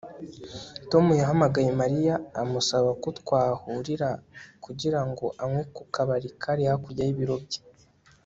Tom yahamagaye Mariya amusaba ko twahurira kugira ngo anywe ku kabari kari hakurya yibiro bye